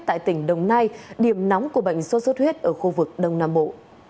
tại tỉnh đồng nai điểm nóng của bệnh sốt xuất huyết ở khu vực đông nam bộ